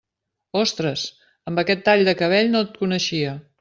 Ostres, amb aquest tall de cabell no et coneixia.